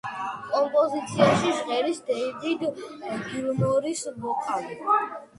კომპოზიციაში ჟღერს დეივიდ გილმორის ვოკალი.